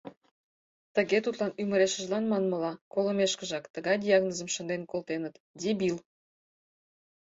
Тыге тудлан ӱмырешыжлан, манмыла, колымешкыжак, тыгай диагнозым шынден колтеныт: дебил.